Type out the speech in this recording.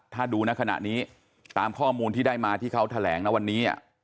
ถ้าดูในขณะนี้ตามข้อมูลที่ได้มาที่เขาแถลงนะวันนี้